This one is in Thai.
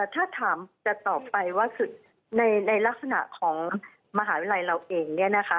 ถ้าถามจะต่อไปว่าคือในลักษณะของมหาวิทยาลัยเราเองเนี่ยนะคะ